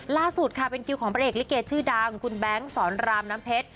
ล่าสุดค่ะเป็นคิวของพระเอกลิเกชื่อดังคุณแบงค์สอนรามน้ำเพชร